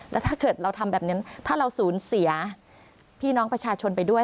แล้วถ้าเกิดเราทำแบบนั้นถ้าเราสูญเสียพี่น้องประชาชนไปด้วย